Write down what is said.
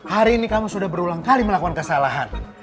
hari ini kamu sudah berulang kali melakukan kesalahan